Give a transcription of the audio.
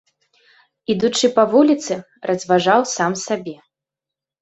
Ідучы па вуліцы, разважаў сам сабе.